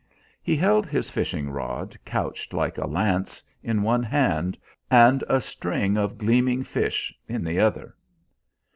He held his fishing rod, couched like a lance, in one hand, and a string of gleaming fish in the other.